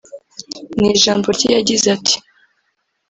mu ijambo rye yagize ati